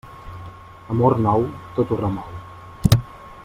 Amor nou, tot ho remou.